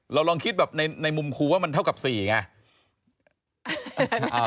ลองคิดแบบในมุมครูว่ามันเท่ากับ๔ไง